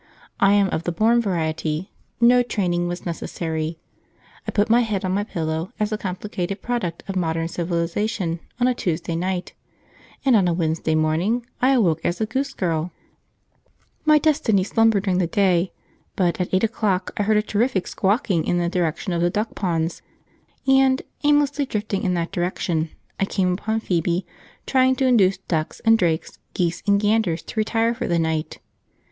I am of the born variety. No training was necessary; I put my head on my pillow as a complicated product of modern civilisation on a Tuesday night, and on a Wednesday morning I awoke as a Goose Girl. {Hens ... go to bed at a virtuous hour: p19.jpg} My destiny slumbered during the day, but at eight o'clock I heard a terrific squawking in the direction of the duck ponds, and, aimlessly drifting in that direction, I came upon Phoebe trying to induce ducks and drakes, geese and ganders, to retire for the night.